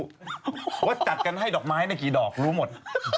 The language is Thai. ว่าจัดกันให้ดอกไม้ได้กี่ดอกรู้หมด